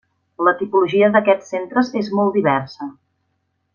La tipologia d’aquests centres és molt diversa.